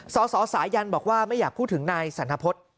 สสสายันบอกว่าไม่อยากพูดถึงนายสันทพฤษ